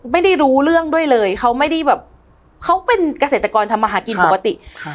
ไม่ได้รู้เรื่องด้วยเลยเขาไม่ได้แบบเขาเป็นเกษตรกรทำมาหากินปกติ